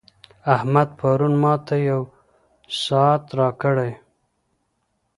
احمد پرون ماته یو ساعت راکړی.